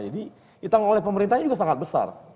jadi ditanggung oleh pemerintahnya juga sangat besar